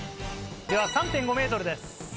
では３．５ｍです。